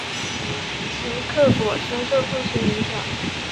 齐克果深受父亲影响。